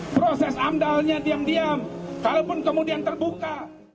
proses amdalnya diam diam kalaupun kemudian terbuka